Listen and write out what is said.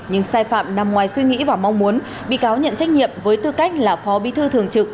nhưng sai phạm nằm ngoài suy nghĩ và mong muốn bị cáo nhận trách nhiệm với tư cách là phó bí thư thường trực